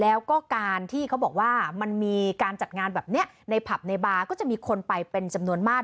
แล้วก็การที่เขาบอกว่ามันมีการจัดงานแบบนี้ในผับในบาร์ก็จะมีคนไปเป็นจำนวนมาก